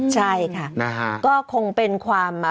ใช่ค่ะก็คงเป็นความ